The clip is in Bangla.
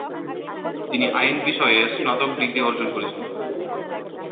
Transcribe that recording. তিনি আইন বিষয়ে স্নাতক ডিগ্রি অর্জন করেছেন।